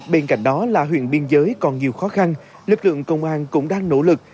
bên cạnh đó là huyện biên giới còn nhiều khó khăn lực lượng công an cũng đang nỗ lực